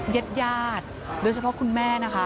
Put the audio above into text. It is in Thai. เย็ดญาติโดยเฉพาะคุณแม่นะคะร้องไห้ตลอดเวลา